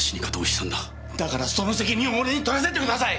だからその責任を俺にとらせてください！